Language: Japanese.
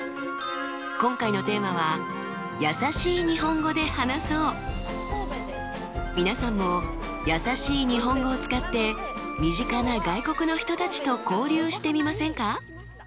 今回のテーマは皆さんもやさしい日本語を使って身近な外国の人たちと交流してみませんか？